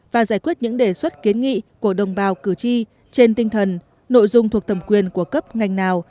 và giải quyết những đề xuất kiến nghị của đồng bào cử tri trên tinh thần nội dung thuộc thẩm quyền của cấp ngành nào